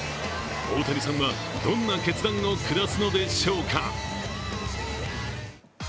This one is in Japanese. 大谷さんは、どんな決断を下すのでしょうか？